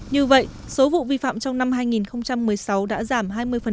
như vậy số vụ vi phạm trong năm hai nghìn một mươi sáu đã giảm hai mươi